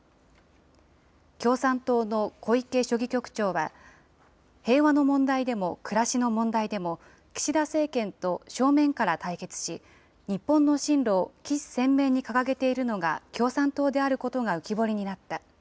共産党の小池書記局長は、平和の問題でも暮らしの問題でも、岸田政権と正面から対決し、日本の進路をきし鮮明に掲げているのが共産党であることが浮き彫りになった。